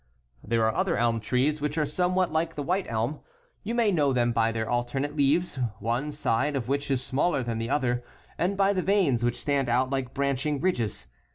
There are other elm trees, which are somewhat like the white elm. You may know them by their alternate leaves, one side of which is smaller than the other, and by the veins which stand out tike branching ridges.